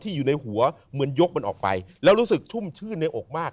อยู่ในหัวเหมือนยกมันออกไปแล้วรู้สึกชุ่มชื่นในอกมาก